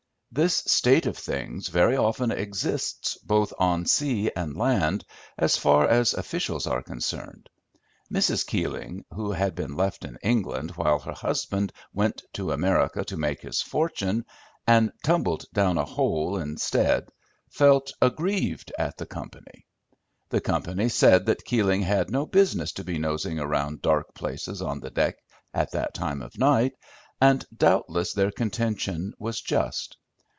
This state of things very often exists both on sea and land, as far as officials are concerned. Mrs. Keeling, who had been left in England while her husband went to America to make his fortune, and tumbled down a hole instead, felt aggrieved at the company. The company said that Keeling had no business to be nosing around dark places on the deck at that time of night, and doubtless their contention was just.